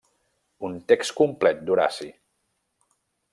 Un text complet d’Horaci.